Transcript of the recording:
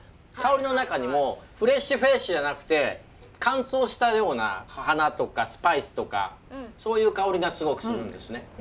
香りの中にもフレッシュフレッシュじゃなくて乾燥したような花とかスパイスとかそういう香りがすごくするんですね。